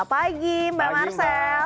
pagi mbak marcel